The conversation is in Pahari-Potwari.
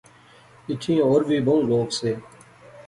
ایتھیں ہور وی بہوں لوک سے